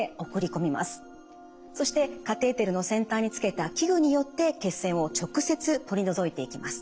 そしてカテーテルの先端につけた器具によって血栓を直接取り除いていきます。